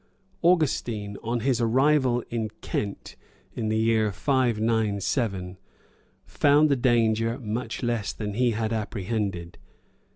[] Augustine, on his arrival in Kent in the year 597,[] found the danger much less than he had apprehended.